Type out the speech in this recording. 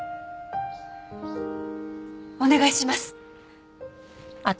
お願いします。